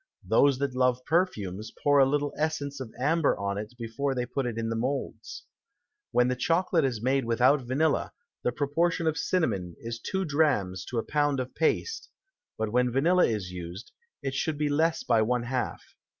Those that love Perfumes, pour a little Essence of Amber on it before they put it in the Moulds. When the Chocolate is made without Vanilla, the Proportion of Cinnamon is two Drams to a Pound of Paste; but when Vanilla is used, it should be less by one half.